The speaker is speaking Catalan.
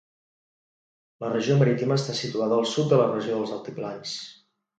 La regió Marítima està situada al sud de la regió dels Altiplans.